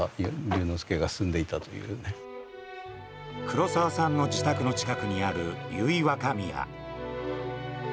黒澤さんの自宅の近くにある、由比若宮。